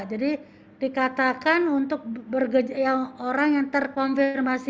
jadi dikatakan untuk orang yang terkonfirmasi